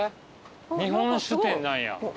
日本酒店なんや。